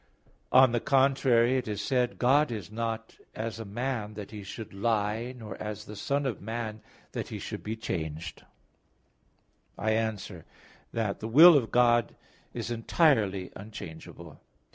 On the contrary, It is said: "God is not as a man, that He should lie, nor as the son of man, that He should be changed" (Num. 23:19). I answer that, The will of God is entirely unchangeable.